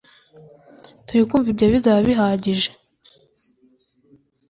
Turi kumva ibyo bizaba bihagije